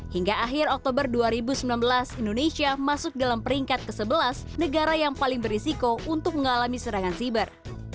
hingga akhir oktober dua ribu sembilan belas indonesia masuk dalam peringkat ke sebelas negara yang paling berisiko untuk mengalami serangan siber